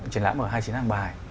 triển lãm ở hai mươi chín hàng bài